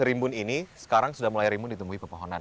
ini sekarang sudah mulai rimun ditemui pepohonan